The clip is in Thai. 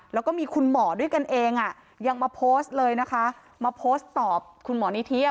แล้วก็มีคุณหมอด้วยกันเองอ่ะยังมาโพสต์เลยนะคะมาโพสต์ตอบคุณหมอนิธิอ่ะ